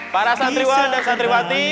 para santriwan dan santriwati